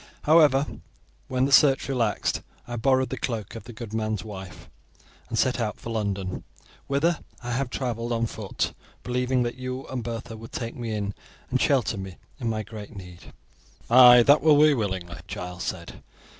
However, when the search relaxed I borrowed the cloak of the good man's wife and set out for London, whither I have traveled on foot, believing that you and Bertha would take me in and shelter me in my great need." "Aye, that will we willingly," Giles said.